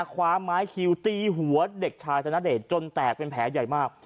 คว้าไม้คิวตีหัวเด็กชายธนเดชจนแตกเป็นแผลใหญ่มาก